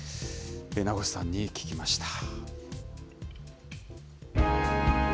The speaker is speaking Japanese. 名越さんに聞きました。